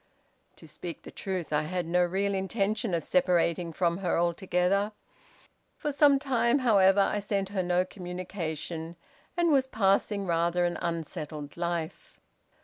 "To speak the truth, I had no real intention of separating from her altogether. For some time, however, I sent her no communication, and was passing rather an unsettled life.